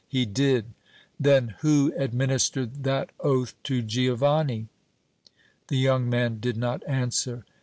"He did." "Then who administered that oath to Giovanni?" The young man did not answer.